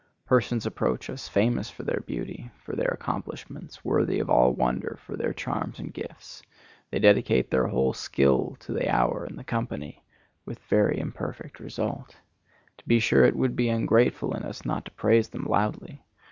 Persons approach us, famous for their beauty, for their accomplishments, worthy of all wonder for their charms and gifts; they dedicate their whole skill to the hour and the company,—with very imperfect result. To be sure it would be ungrateful in us not to praise them loudly.